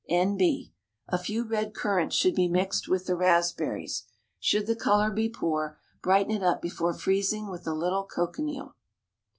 N.B. A few red currants should be mixed with the raspberries. Should the colour be poor, brighten it up before freezing with a little cochineal.